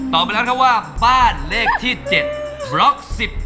ไปแล้วนะว่าบ้านเลขที่๗บล็อก๑๑